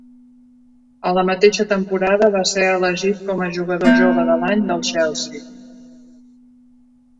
A la mateixa temporada, va ser elegit com a jugador jove de l'any del Chelsea.